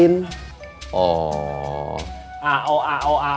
tapi kalau ditolak itu namanya di clean